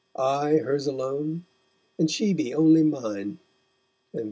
I hers alone, and she be only mine!